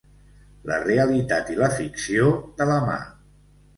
La realitat i la ficció de la mà.